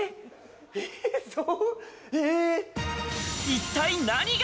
一体何が？